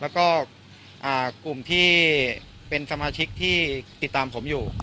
แล้วก็กลุ่มที่เป็นสมาชิกที่ติดตามผมอยู่